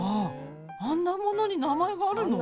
あんなものに名前があるの。